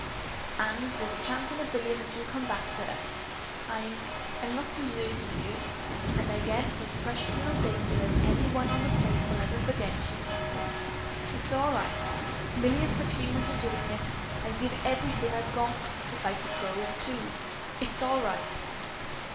And there's a chance in a billion that you'll come back to us. I'm I'm not deserting you. And I guess there's precious little danger that any one on The Place will ever forget you. It's it's all right. Millions of humans are doing it. I'd give everything I've got, if I could go, too. IT'S ALL RIGHT!"